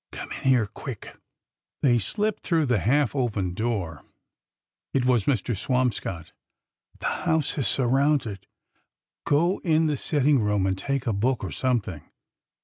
" Come in here ! quick !" They slipped through the half opened door. It was Mr. Swamscott. " The house is surrounded. Go in the sit ting room and take a book or something.